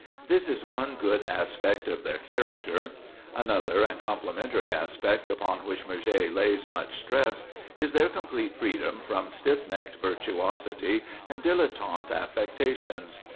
This is one good aspect of their character; another and complementary aspect, upon which Murger lays much stress, is their complete freedom from stiff necked virtuosity and dilettante affectations.